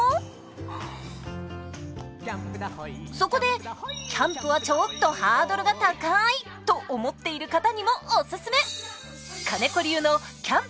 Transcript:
そこで「キャンプはちょっとハードルが高い」と思っている方にもおススメ。